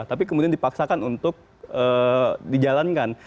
tapi kemudian dipaksakan untuk dijalankan